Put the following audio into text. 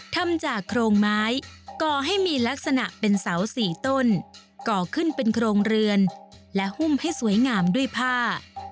ทำจากโครงไม้ก่อให้มีลักษณะเป็นเสาสี่ต้นก่อขึ้นเป็นโครงเรือนและหุ้มให้สวยงามด้วยผ้า